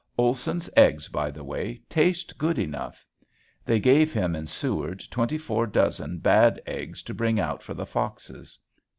Olson's eggs, by the way, taste good enough. (They gave him in Seward twenty four dozen bad eggs to bring out for the foxes.)